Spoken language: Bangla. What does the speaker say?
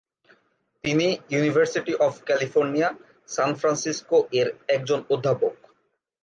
তিনি University of California, San Francisco এর একজন অধ্যাপক।